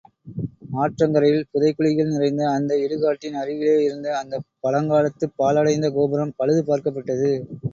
ஆற்றங்கரையில், புதைகுழிகள் நிறைந்த அந்த இடுகாட்டின் அருகிலே இருந்த அந்தப் பழங்காலத்துப் பாழடைந்த கோபுரம் பழுது பார்க்கப்பட்டது.